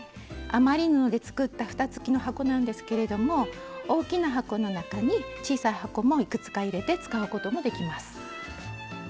余り布で作ったふた付きの箱なんですけれども大きな箱の中に小さい箱もいくつか入れて使うこともできます。